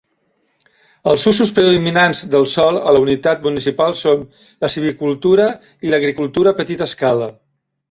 Els usos predominants del sòl a la unitat municipal són la silvicultura i l'agricultura a petita escala.